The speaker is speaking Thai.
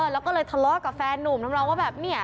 แล้วก็เลยทะเลาะกับแฟนหนุ่มทำนองว่าแบบเนี่ย